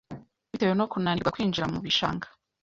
Bitewe no kunanirwa kwinjira mu bishanga